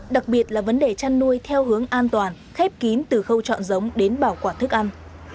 đặc biệt là vấn đề chăn nuôi theo hướng an toàn khép kín từ khâu chọn giống đến bảo quản thức ăn